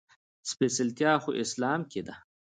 سپېڅلتيا خو اسلام کې ده.